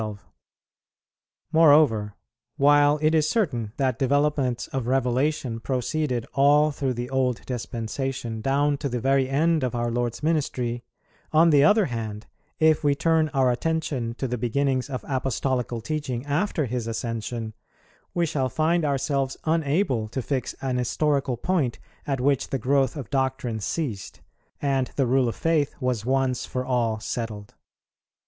Moreover, while it is certain that developments of Revelation proceeded all through the Old Dispensation down to the very end of our Lord's ministry, on the other hand, if we turn our attention to the beginnings of Apostolical teaching after His ascension, we shall find ourselves unable to fix an historical point at which the growth of doctrine ceased, and the rule of faith was once for all settled.